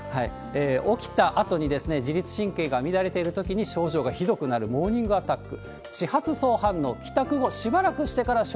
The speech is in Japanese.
起きたあとに自律神経が乱れてるときに、症状がひどくなるモーニングアタック。